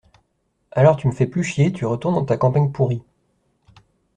Alors tu me fais plus chier, tu retournes dans ta campagne pourrie